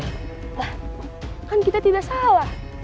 hah kan kita tidak salah